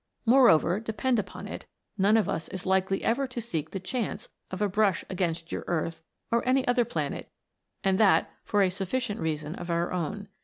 Moreover, depend upon it, none of us is likely ever to seek the chance of a brush against your earth or any other planet and that for a sufficient reason of our own.